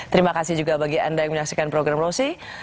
terima kasih juga bagi anda yang menyaksikan program loc